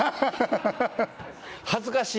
恥ずかしい。